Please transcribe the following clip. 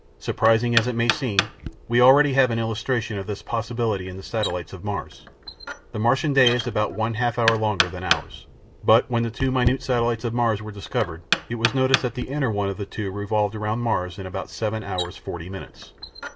Surprising as it may seem, we already have an illustration of this possibility in the satellites of Mars. The Martian day is about one half hour longer than ours, but when the two minute satellites of Mars were discovered it was noticed that the inner one of the two revolved round Mars in about seven hours forty minutes.